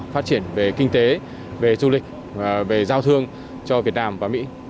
phát triển về kinh tế về du lịch về giao thương cho việt nam và mỹ